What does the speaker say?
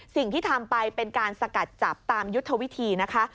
สิ่งที่ทำไปเป็นการสกัดจับตามยุทธวิธีนะคะ